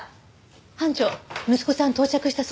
班長息子さん到着したそうです。